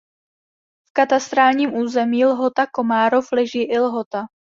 V katastrálním území Lhota Komárov leží i Lhota.